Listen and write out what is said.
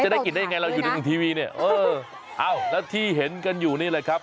ได้กลิ่นได้ยังไงเราอยู่ในทีวีเนี่ยเออเอ้าแล้วที่เห็นกันอยู่นี่แหละครับ